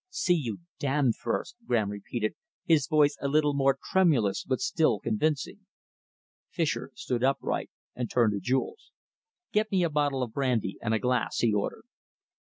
"See you damned first!" Graham repeated, his voice a little more tremulous but still convincing. Fischer stood upright and turned to Jules. "Get a bottle of brandy and a glass," he ordered.